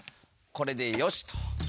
これでよしっと！